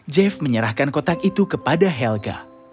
jeff menyerahkan kotak itu kepada helga